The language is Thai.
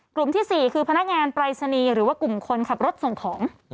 กลุ่มที่๔คือพนักงานปรายศนีย์หรือว่ากลุ่มคนขับรถส่งของ